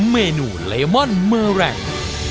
เมนูเลมอนเมอร์แรง